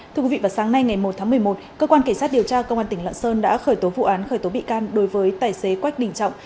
thưa quý vị vào sáng nay ngày một tháng một mươi một cơ quan cảnh sát điều tra công an tỉnh lạng sơn đã khởi tố vụ án khởi tố bị can đối với tài xế quách đình trọng